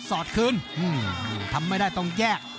สอดคืนทำไม่ได้ต้องแยก